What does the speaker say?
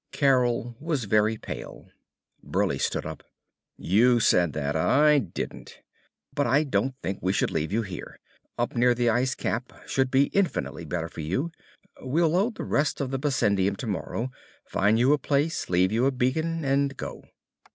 Carol was very pale. Burleigh stood up. "You said that, I didn't. But I don't think we should leave you here. Up near the ice cap should be infinitely better for you. We'll load the rest of the bessendium tomorrow, find you a place, leave you a beacon, and go."